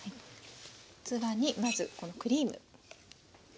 器にまずこのクリーム。